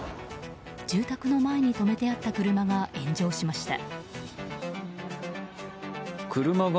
住宅の前に止めてあった車が炎上しました。